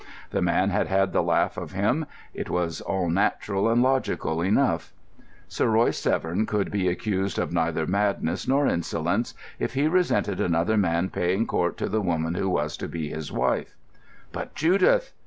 The man had had the laugh of him. It was all natural, and logical enough. Sir Royce Severn could be accused of neither madness nor insolence if he resented another man paying court to the woman who was to be his wife. But Judith!